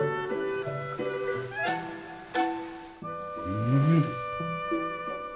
うん。